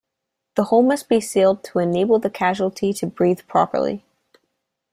The hole must be sealed to enable the casualty to breathe properly.